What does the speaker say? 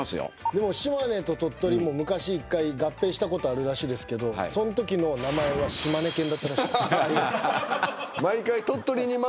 でも島根と鳥取も昔１回合併したことあるらしいですけどそんときの名前は島根県だったらしいですよ。